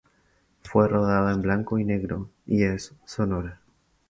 Fue rodada en blanco y negro y es sonora.